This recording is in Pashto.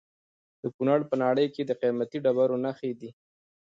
د کونړ په ناړۍ کې د قیمتي ډبرو نښې دي.